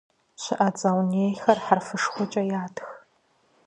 Щыӏэцӏэ унейхэр хьэрфышхуэкӏэ ятх.